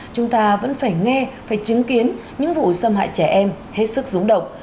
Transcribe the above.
chúng ta vẫn phải nghe phải chứng kiến những vụ xâm hại trẻ em hết sức rúng động